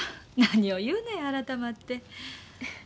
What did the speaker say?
何を言うねん改まって。